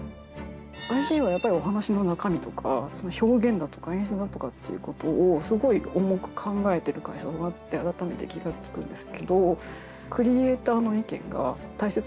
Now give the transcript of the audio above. Ｉ．Ｇはやっぱりお話の中身とか表現だとか映像だとかっていうことをすごい重く考えてる会社だなって改めて気が付くんですけど。